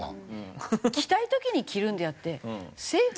着たい時に着るのであって政府。